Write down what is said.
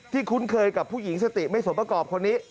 คุ้นเคยกับผู้หญิงสติไม่สมประกอบคนนี้